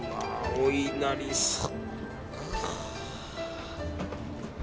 おいなりさん。